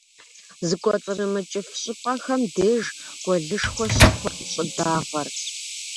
Зыкӏуэцӏрымыкӏыф щӏыпӏэхэм деж гуэлышхуэ щыхъурт щӏыдагъэр.